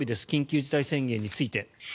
緊急事態宣言について。